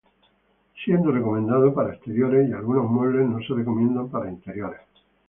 Siendo recomendado para exteriores, y algunos muebles, no se recomienda para interiores.